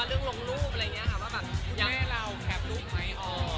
เรื่องโรงโรงเรื่องเรา่เรื่องแม่เราแคปรุ่มไหม